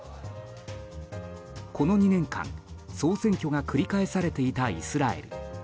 この２年間、総選挙が繰り返されていたイスラエル。